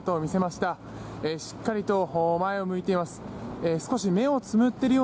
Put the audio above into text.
しっかりと前を向いています。